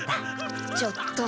ちょっと。